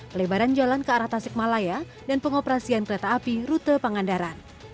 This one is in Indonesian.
pelebaran jalan ke arah tasik malaya dan pengoperasian kereta api rute pangandaran